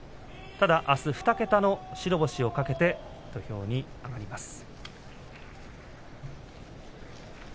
あす２桁の白星を懸けて土俵に上がります。